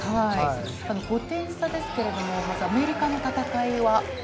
５点差ですけれど、アメリカの戦いは？